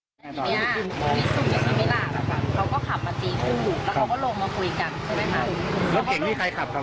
จอดมาเพื่อที่จะเปิดประตูให้ผู้หญิงลงมาคุยด้วยอยู่บ้าง